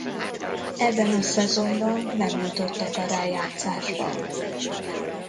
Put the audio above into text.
Ebben a szezonban nem jutottak a rájátszásba.